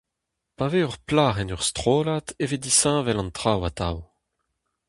Pa vez ur plac'h en ur strollad e vez disheñvel an traoù atav.